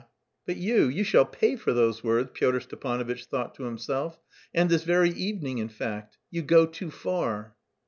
"But you... you shall pay for those words," Pyotr Stepanovitch thought to himself, "and this very evening, in fact. You go too far."